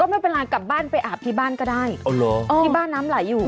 ไม่เป็นไรกลับบ้านไปอาบที่บ้านก็ได้ที่บ้านน้ำไหลอยู่